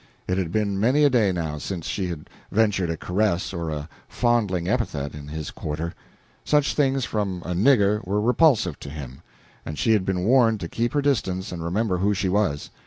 It had been many a day now since she had ventured a caress or a fondling epithet in his quarter. Such things, from a "nigger," were repulsive to him, and she had been warned to keep her distance and remember who she was.